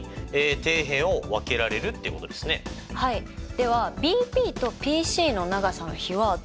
ではＢＰとＰＣの長さの比はどうなりましたか？